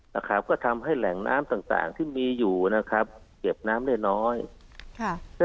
นะครับก็ทำให้แหล่งน้ำต่างต่างที่มีอยู่นะครับเก็บน้ำได้น้อยค่ะ